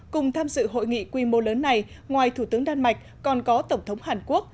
cùng tham dự hội nghị quy mô lớn này ngoài thủ tướng đan mạch còn có tổng thống hàn quốc